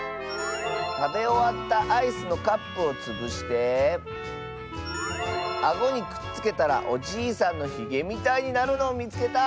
たべおわったアイスのカップをつぶしてあごにくっつけたらおじいさんのひげみたいになるのをみつけた！